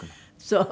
そう。